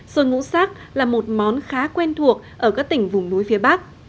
xôi ngũ sắc là một món khá quen thuộc ở các tỉnh vùng núi phía bắc